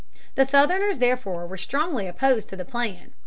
The Southerners, therefore, were strongly opposed to the plan.